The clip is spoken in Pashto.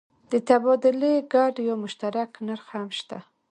د تبادلې ګډ یا مشترک نرخ هم شته.